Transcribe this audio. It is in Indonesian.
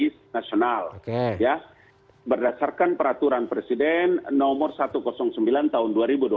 di berdasarkan peraturan presiden nomor satu ratus sembilan tahun dua ribu dua puluh